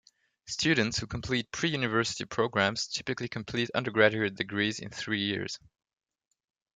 Students who complete pre-university programs typically complete undergraduate degrees in three years.